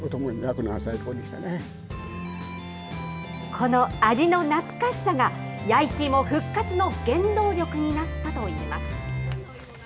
この味の懐かしさが、弥一芋復活の原動力になったといいます。